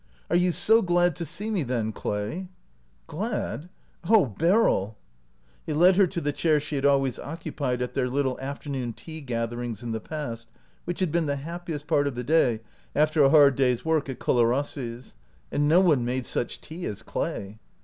" Are you so glad to see me then, Clay ?" "Glad! Oh, Beryl!" He led her to the chair she had always * occupied at their little afternoon tea gather ings in the past, which had been the hap piest part of the day after a hard day's work at Colarrossi's. And no one made such tea as Clay!